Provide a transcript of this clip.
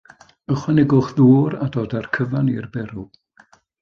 Ychwanegwch ddŵr a dod â'r cyfan i'r berw.